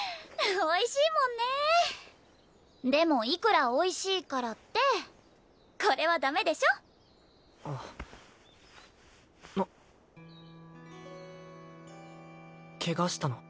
おいしいもんねえでもいくらおいしいからってこれはダメでしょあっケガしたの？